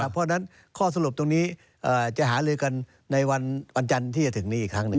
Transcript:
เพราะฉะนั้นข้อสรุปตรงนี้จะหาลือกันในวันจันทร์ที่จะถึงนี้อีกครั้งหนึ่ง